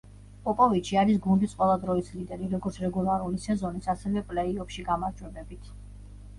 პოპოვიჩი არის გუნდის ყველა დროის ლიდერი, როგორც რეგულარული სეზონის, ასევე პლეი-ოფში გამარჯვებებით.